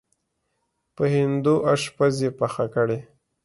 په هندو اشپز یې پخه کړې.